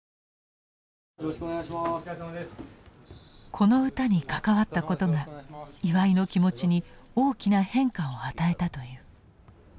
この歌に関わったことが岩井の気持ちに大きな変化を与えたという。